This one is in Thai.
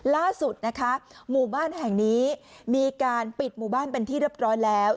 ล่าสุดนะคะหมู่บ้านแห่งนี้มีการปิดหมู่บ้านเป็นที่เรียบร้อยแล้ว